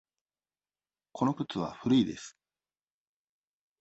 この靴は古いです。